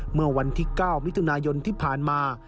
เมื่อวันที่๙มิถุนายนที่ผ่านมา